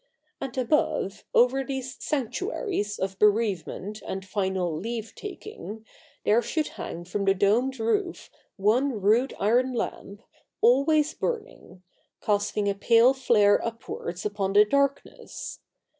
And above, over these sanctuaries of bereavement and final leave taking, there should hang from the domed roof one rude iron lamp, always burning — casting a pale flare upwards upon the darkness.